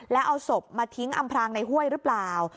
แล้วเอาศพมาทิ้งอำพรางในห้วยหรือเปล่า